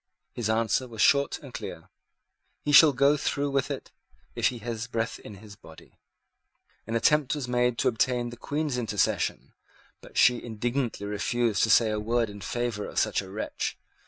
His answer was short and clear: "He shall go through with it, if he has breath in his body." An attempt was made to obtain the Queen's intercession; but she indignantly refused to say a word in favour of such a wretch.